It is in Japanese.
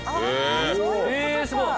すごい！